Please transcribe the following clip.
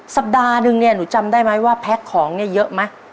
สัปดาห์นึงเนี่ยหนูจำได้ไหมว่าแพ็คของเนี่ยเยอะไหม